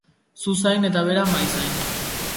Zu zain eta bera mahaizain.